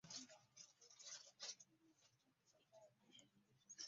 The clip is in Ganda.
Mukasa azimba ekizimbe ekya kalina.